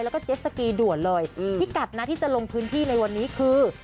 แล้วก็เจ็ดสกีด่วนเลยพิกัดนะที่จะลงพื้นที่ในวันนี้คือ